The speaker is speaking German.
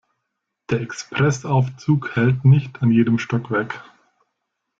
Der Express-Aufzug hält nicht an jedem Stockwerk.